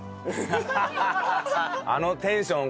あのテンション